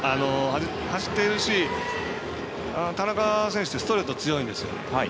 走ってるし、田中選手ストレート強いんですよね。